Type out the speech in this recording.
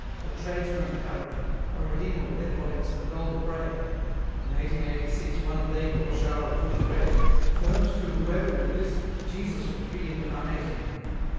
A tradesman Paraclete, a Redeemer with epaulettes and gold braid! "In 1886 one Dame Brochard of Vouvray affirmed to whoever would listen that Jesus was reincarnate in her.